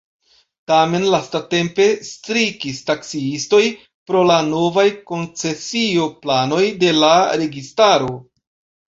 Tamen lastatempe strikis taksiistoj pro la novaj koncesio-planoj de la registaro.